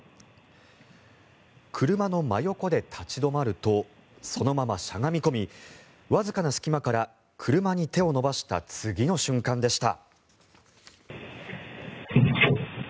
車の真横で立ち止まるとそのまましゃがみ込みわずかな隙間から車に手を伸ばした次の瞬間でした。